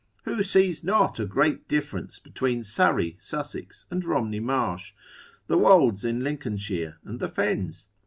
Who sees not a great difference between Surrey, Sussex, and Romney Marsh, the wolds in Lincolnshire and the fens.